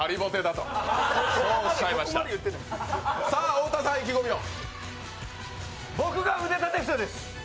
太田さん、意気込みを。